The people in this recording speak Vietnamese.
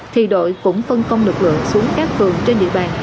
thì đội cũng phân công lực lượng xuống các phường trên địa bàn